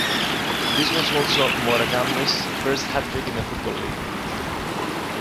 This was also Morecambe's first hat-trick in the football league.